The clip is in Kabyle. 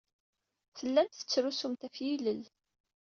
Tellamt tettrusumt ɣef yilel.